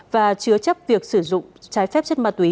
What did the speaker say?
và chứa chấp việc sử dụng trái phép chất ma túy